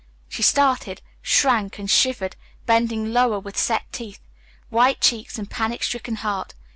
She started, shrank, and shivered, bending lower with set teeth, white cheeks, and panic stricken heart.